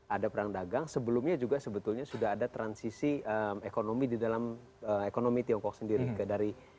ada perang dagang sebelumnya juga sebetulnya sudah ada transisi ekonomi di dalam ekonomi tiongkok sendiri